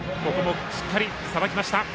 しっかりさばきました。